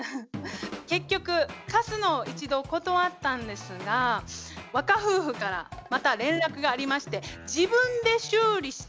結局貸すのを一度断ったんですが若夫婦からまた連絡がありまして自分で修理したいと言いだしたんです。